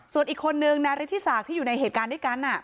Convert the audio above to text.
ส่วนอีกคนนึงนาริธิศักดิ์ที่อยู่ในเหตุการณ์ด้วยกัน